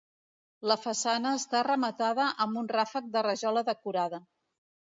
La façana està rematada amb un ràfec de rajola decorada.